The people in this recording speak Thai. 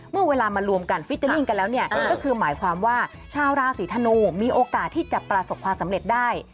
เมื่อเวลามารวมกันก็คือหมายความว่าชาวราศีธนูมีโอกาสที่จะประสบความสำเร็จได้